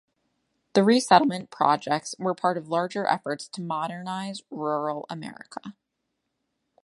The resettlement projects were part of larger efforts to modernize rural America.